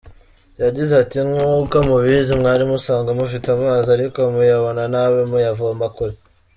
Yagize ati “Nkuko mubizi, mwari musanzwe mufite amazi ariko muyabona nabi, muyavoma kure.